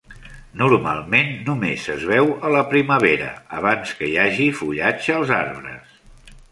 Normalment només es veu a la primavera abans que hi hagi fullatge als arbres.